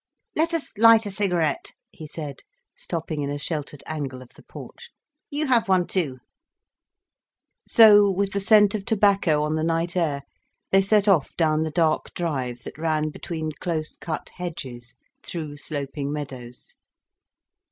"Let us light a cigarette," he said, stopping in a sheltered angle of the porch. "You have one too." So, with the scent of tobacco on the night air, they set off down the dark drive that ran between close cut hedges through sloping meadows.